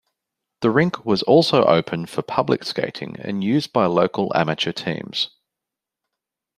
The rink was also open for public skating and use by local amateur teams.